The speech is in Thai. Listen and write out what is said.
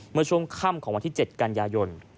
เมื่อช่วงค่ำของวันที่๗กันยายน